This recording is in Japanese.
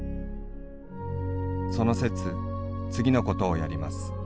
その節次のことをやります。